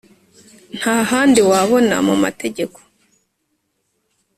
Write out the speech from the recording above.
ntahandi wabona mu mategeko